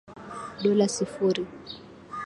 dola sifuri